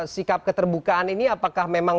sikap keterbukaan ini apakah memang